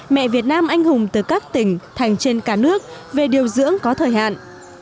mẹ việt nam anh hùng từ các tỉnh thành trên cả nước về điều dưỡng có thời hạn